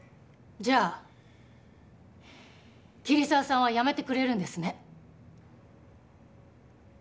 じゃあ桐沢さんは辞めてくれるんですね？